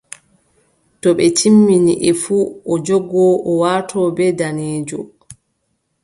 To ɓe timmini e fuu, o jogo o warto ɓe daneejo.